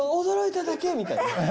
驚いただけ」みたいな。